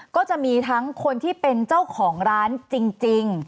ก็จะมีทั้งคนที่เป็นเจ้าของร้านจริง